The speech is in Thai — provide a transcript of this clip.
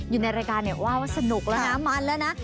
อยู่ในรายการเนี่ยว่าว่าสนุกแล้วนะมันแล้วนะ